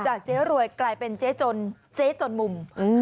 จากเจ๊รวยกลายเป็นเจ๊จนมุม